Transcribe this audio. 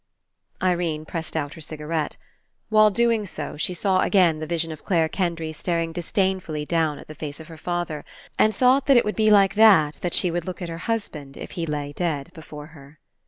Irene pressed out her cigarette. While doing so, she saw again the vision of Clare 119 PASSING Kendry staring disdainfully down at the face of her father, and thought that it would be like that that she would look at her husband if he lay dead before her.